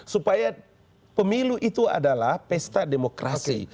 supaya pemilu itu adalah pesta demokrasi